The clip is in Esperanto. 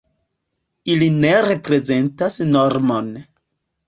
Ili ne reprezentas normon.